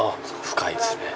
深いですね。